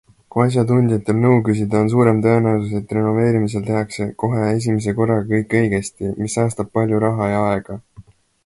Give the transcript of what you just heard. Kui asjatundjatel nõu küsida, on suurem tõenäosus, et renoveerimisel tehakse kohe esimese korraga kõik õigesti, mis säästab palju raha ja aega.